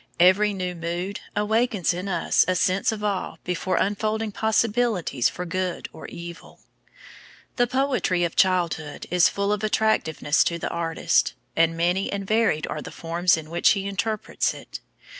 Every new mood awakens in us a sense of awe before unfolding possibilities for good or evil. The poetry of childhood is full of attractiveness to the artist, and many and varied are the forms in which he interprets it.